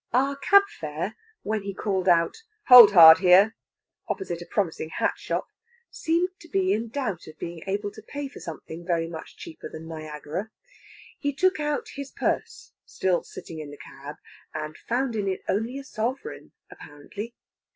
Our cab fare, when he called out, "Hold hard here!" opposite to a promising hat shop, seemed to be in doubt of being able to pay for something very much cheaper than Niagara. He took out his purse, still sitting in the cab, and found in it only a sovereign, apparently.